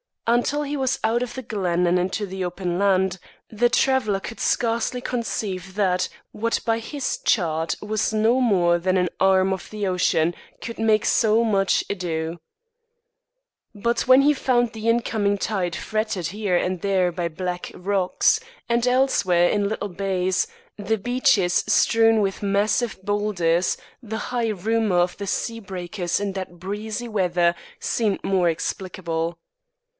Until he was out of the glen and into the open land, the traveller could scarcely conceive that what by his chart was no more than an arm of the ocean could make so much ado; but when he found the incoming tide fretted here and there by black rocks, and elsewhere, in little bays, the beaches strewn with massive boulders, the high rumour of the sea breakers in that breezy weather seemed more explicable.